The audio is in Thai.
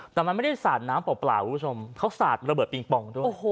แต่มันไม่ได้สาดน้ำเปล่าคุณผู้ชมเขาสาดระเบิดปิงปองด้วย